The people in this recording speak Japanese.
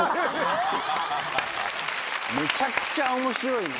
めちゃくちゃ面白いね。